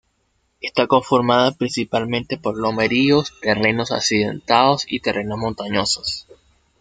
Está conformada principalmente por lomeríos, terrenos accidentados y terrenos montañosos.